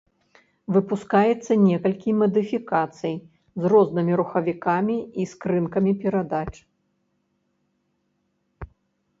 Выпускаецца некалькі мадыфікацый з рознымі рухавікамі і скрынкамі перадач.